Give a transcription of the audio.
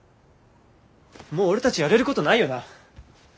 もう俺たちやれることないよな。